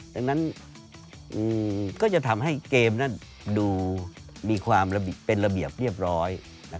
ดังนั้นก็จะทำให้เกมนั้นดูมีความเป็นระเบียบเรียบร้อย